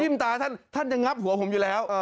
ตาท่านท่านจะงับหัวผมอยู่แล้ว